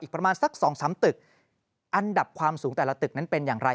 ประมาณสัก๒๓ตึกอันดับความสูงแต่ละตึกนั้นเป็นอย่างไร